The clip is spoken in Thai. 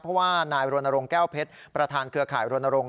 เพราะว่านายรณรงค์แก้วเพชรประธานเครือข่ายรณรงค